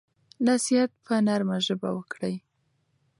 نصیحت په نرمه ژبه وکړئ.